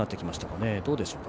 どうでしょうか。